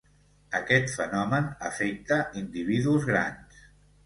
Aquest fenomen afecta individus grans.